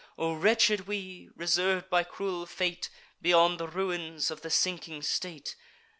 O wretched we, reserv'd by cruel fate, Beyond the ruins of the sinking state!